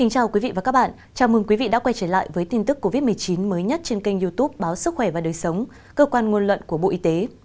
chào mừng quý vị đã quay trở lại với tin tức covid một mươi chín mới nhất trên kênh youtube báo sức khỏe và đời sống cơ quan nguồn luận của bộ y tế